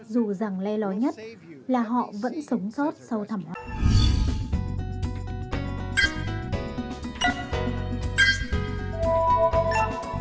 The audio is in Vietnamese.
dù rằng le lói nhất là họ vẫn sống sót sau thảm họa